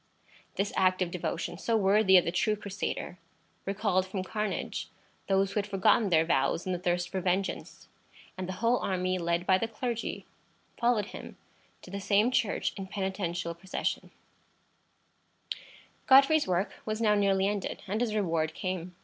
This act of devotion, so worthy of the true Crusader, recalled from carnage those who had forgotten their vows in the thirst for vengeance, and the whole army, led by the clergy, followed him to the same church in penitential procession. [Illustration: Godfrey De Bouillon entering Jerusalem.] Godfrey's work was now nearly ended, and his reward came.